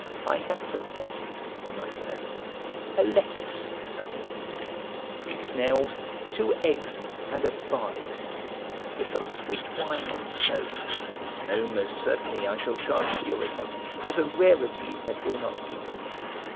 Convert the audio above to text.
I had prepared, you must know, a lettuce a piece, three snails, two eggs, and a barley cake, with some sweet wine and snow, (the snow most certainly I shall charge to your account, as a rarity that will not keep.)